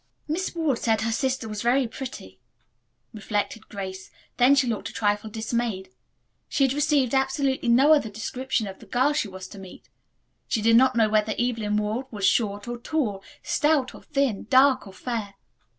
"Miss Ward said her sister was very pretty," reflected Grace, then she looked a trifle dismayed. She had received absolutely no other description of the girl she was to meet. She did not know whether Evelyn Ward was short or tall, stout or thin, dark or fair.